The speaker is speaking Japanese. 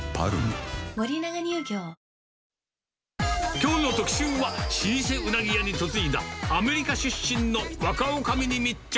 きょうの特集は、老舗うなぎ屋に嫁いだアメリカ出身の若おかみに密着。